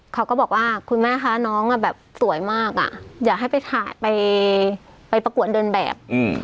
เขาก็บอกว่าคุณแม่คะน้องแบบสวยมากอ่ะอยากให้ไปถ่ายไปประกวดเดินแบบ